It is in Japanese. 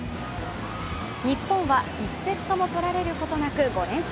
日本は１セットもとられることなく、５連勝。